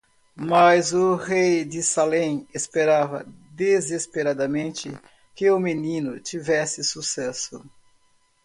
Mas o rei de Salem esperava desesperadamente que o menino tivesse sucesso.